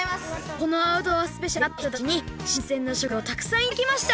このアウトドアスペシャルでであったひとたちにしんせんなしょくざいをたくさんいただきました！